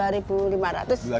rp dua lima ratus begitu ya